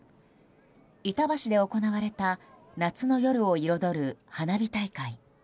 板橋で行われた夏の夜を彩る花火大会。